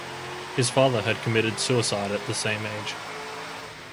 His father had committed suicide at the same age.